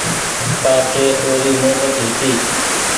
ڪآ ڪي اوري محبت هيتي